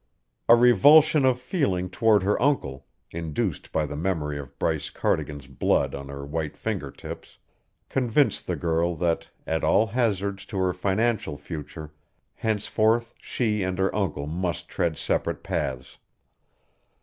A revulsion of feeling toward her uncle, induced by the memory of Bryce Cardigan's blood on her white finger tips, convinced the girl that, at all hazards to her financial future, henceforth she and her uncle must tread separate paths.